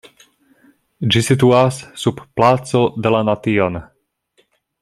Ĝi situas sub Placo de la Nation.